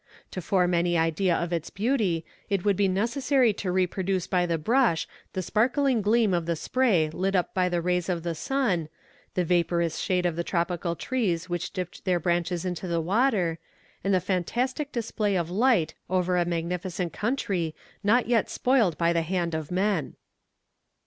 To form any idea of its beauty, it would be necessary to reproduce by the brush the sparkling gleam of the spray lit up by the rays of the sun, the vaporous shade of the tropical trees which dipped their branches into the water, and the fantastic display of light over a magnificent country, not yet spoiled by the hand of man!